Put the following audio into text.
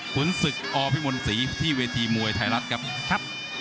ขุนศึกอพิมนศ์ศรีที่เวทีมวยรังศิษย์ไทยรัฐครับ